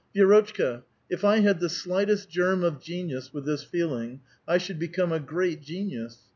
Vidrotchka, if I had the slightest germ of genius with this feeling, I should become a great genius.